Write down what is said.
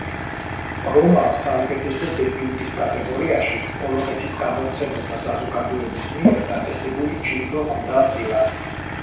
რომანს საუკეთესო დებიუტის კატეგორიაში პოლონეთის გამომცემელთა საზოგადოების მიერ დაწესებული ჯილდო ხვდა წილად.